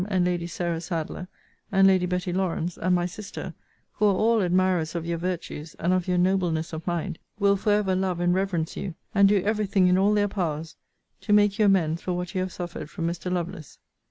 and Lady Sarah Sadleir, and Lady Betty Lawrance, and my sister, who are all admirers of your virtues, and of your nobleness of mind, will for ever love and reverence you, and do every thing in all their powers to make you amends for what you have suffered from Mr. Lovelace.